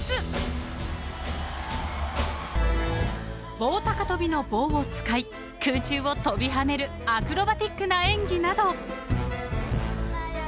［棒高跳びの棒を使い空中をとびはねるアクロバティックな演技など］